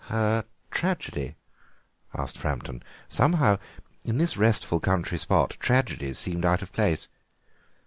"Her tragedy?" asked Framton; somehow in this restful country spot tragedies seemed out of place.